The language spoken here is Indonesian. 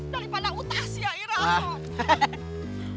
daripada utas ya irah